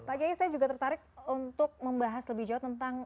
pak kiai saya juga tertarik untuk membahas lebih jauh tentang